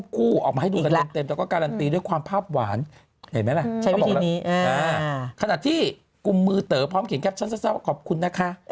ขณะที่กลุ่มมือเต๋อพร้อมเขียนแคปชั่นสั้นว่าขอบคุณนะคะ